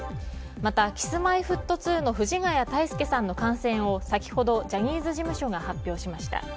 また、Ｋｉｓ‐Ｍｙ‐Ｆｔ２の藤ヶ谷太輔さんの感染を先ほどジャニーズ事務所が発表しました。